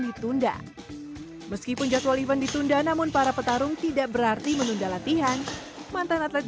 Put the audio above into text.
ditunda meskipun jadwal event ditunda namun para petarung tidak berarti menunda latihan mantan atlet